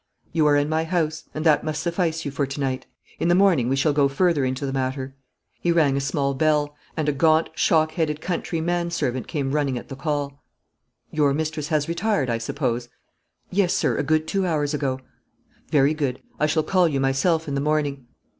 'You are in my house, and that must suffice you for to night. In the morning we shall go further into the matter.' He rang a small bell, and a gaunt shock headed country man servant came running at the call. 'Your mistress has retired, I suppose?' 'Yes, sir, a good two hours ago.' 'Very good. I shall call you myself in the morning.'